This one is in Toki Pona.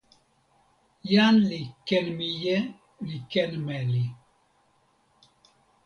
jan li ken mije li ken meli.